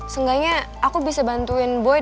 seenggaknya aku bisa bantuin boy